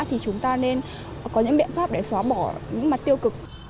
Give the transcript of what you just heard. thì chúng ta nên có những biện pháp để xóa bỏ những mặt tiêu cực